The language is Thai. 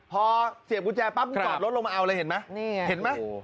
พอเสียบกุญแจปั๊บจอดรถลงมาเอาเลยเห็นไหมนี่ไงเห็นไหม